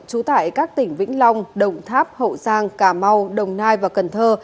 chú tải các tỉnh vĩnh long đồng tháp hậu giang cà mau đồng nai và cần thơ